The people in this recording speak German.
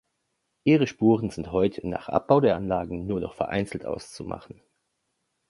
Ihre Spuren sind heute, nach Abbau der Anlagen, nur noch vereinzelt auszumachen.